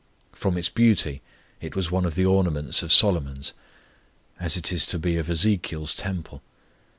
From its beauty it was one of the ornaments of Solomon's, as it is to be of Ezekiel's temple.